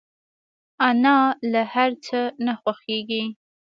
انا له هر څه نه خوښيږي